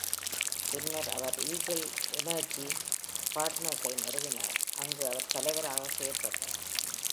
பின்னர் அவர் eagle energy பார்ட்னர்ஸை நிறுவினார், அங்கு அவர் தலைவராக செயல்பட்டார்.